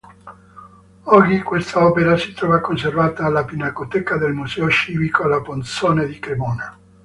Oggi quest'opera si trova conservata alla Pinacoteca del Museo civico Ala Ponzone di Cremona.